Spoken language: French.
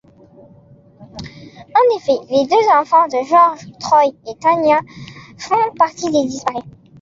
En effet, les deux enfants de George, Troy et Tanya, font partie des disparus.